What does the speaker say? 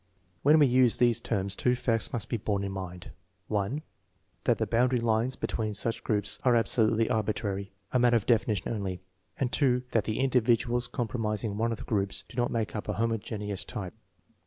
WJaen we use these terms two facts must be borne in mind: (1) That the boundary lines be tween such groups are absolutely arbitrary, a matter of definition only; and (2) that the individuals comprising one of the groups do not make up a homogeneous type.